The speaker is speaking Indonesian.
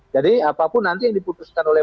jadi apapun nanti yang diputuskan oleh